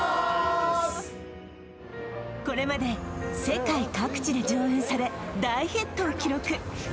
これまで世界各地で上演され大ヒットを記録